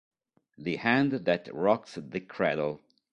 The Hand That Rocks the Cradle